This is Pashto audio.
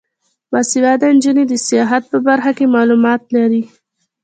باسواده نجونې د سیاحت په برخه کې معلومات لري.